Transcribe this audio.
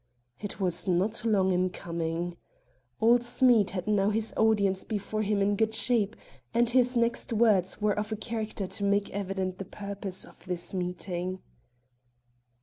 It was not long in coming. Old Smead had now his audience before him in good shape, and his next words were of a character to make evident the purpose of this meeting.